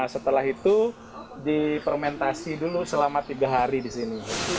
setelah itu dipermentasi selama tiga hari di sini